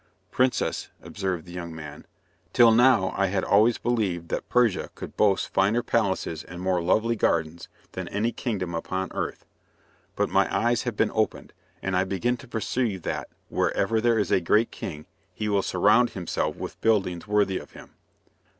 "Princess," observed the young man, "till now I had always believed that Persia could boast finer palaces and more lovely gardens than any kingdom upon earth. But my eyes have been opened, and I begin to perceive that, wherever there is a great king he will surround himself with buildings worthy of him."